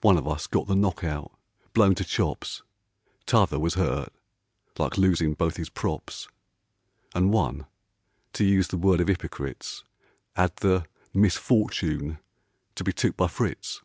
One of us got the knock out, blown to chops. T'other was hurt, like, losin' both 'is props. An one, to use the word of 'ypocrites, 'Ad the misfortoon to be took by Fritz.